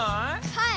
はい。